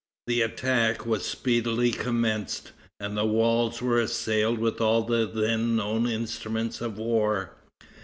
The attack was speedily commenced, and the walls were assailed with all the then known instruments of war.